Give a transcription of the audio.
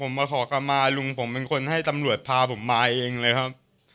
ผมมาขอกลับมาลุงผมเป็นคนให้ตำรวจพาผมมาเองเลยครับ